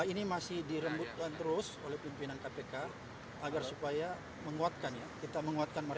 ini masih dirembutkan terus oleh pimpinan kpk agar supaya menguatkan mereka untuk mengingatkan terus